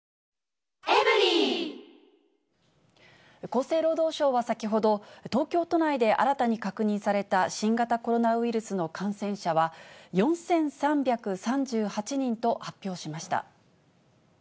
厚生労働省は先ほど、東京都内で新たに確認された新型コロナウイルスの感染者は、４３３８人と発表しました。